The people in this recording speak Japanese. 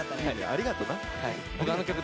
ありがとう。